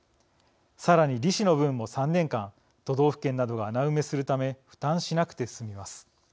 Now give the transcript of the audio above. さらに利子の分も３年間都道府県などが穴埋めするため負担しなくて済みます。